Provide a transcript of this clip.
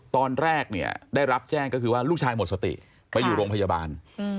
ตอนแรกเนี่ยได้รับแจ้งก็คือว่าลูกชายหมดสติไปอยู่โรงพยาบาล